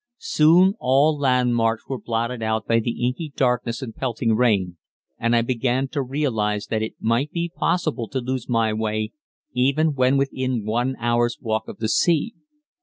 Soon all landmarks were blotted out by the inky darkness and pelting rain, and I began to realize that it might be possible to lose my way even when within one hour's walk of the sea.